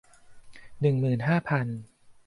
หนึ่งหมื่นห้าพัน